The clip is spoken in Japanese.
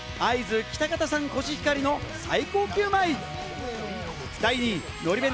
会津喜多方産コシヒカリの最高級米。